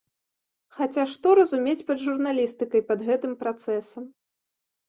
Хаця што разумець пад журналістыкай, пад гэтым працэсам.